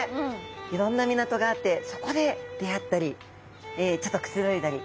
いろんな港があってそこで出会ったりちょっとくつろいだり。